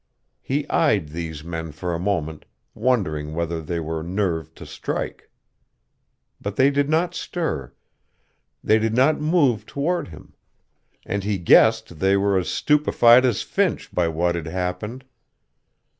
He eyed these men for a moment, wondering whether they were nerved to strike.... But they did not stir, they did not move toward him; and he guessed they were as stupefied as Finch by what had happened.